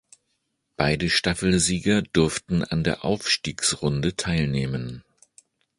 Beide Staffelsieger durften an der Aufstiegsrunde teilnehmen.